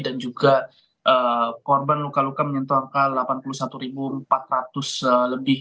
dan juga korban luka luka menyentuh angka delapan puluh satu empat ratus lebih